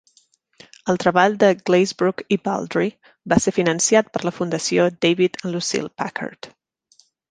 El treball de Glazebrook i Baldry va ser finançat per la Fundació David and Lucile Packard.